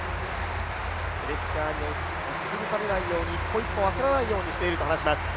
プレッシャーに押し潰されないように、一歩一歩焦らないようにしていますと話します。